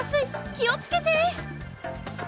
きをつけて！